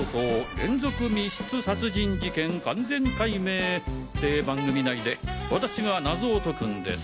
連続密室殺人事件完全解明！』って番組内で私が謎を解くんです！